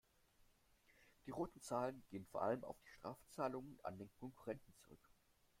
Die roten Zahlen gehen vor allem auf die Strafzahlungen an den Konkurrenten zurück.